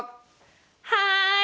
はい！